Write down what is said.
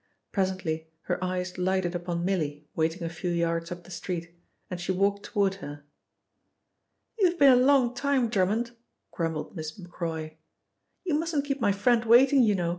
Presently her eyes lighted upon Milly waiting a few yards up the street, and she walked toward her. "You've been a long time, Drummond," grumbled Miss Macroy. "You mustn't keep my friend waiting, you know.